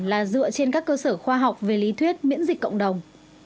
là dựa trên các cơ sở khoa học về lý thuyết miễn dịch cộng đồng